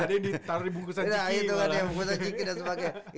ada yang di taruh di bungkusan jiki dan sebagainya